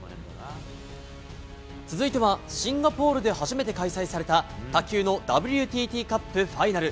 続いてはシンガポールで初めて開催された卓球のＷＴＴカップファイナル。